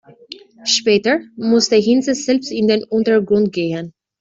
Später musste Hinze selbst in den Untergrund gehen.